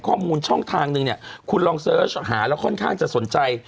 ข้อมูลช่องทางนึงเนี่ยคุณลองเสิร์ชหาแล้วค่อนข้างจะสนใจ